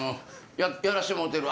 やらしてもうてる。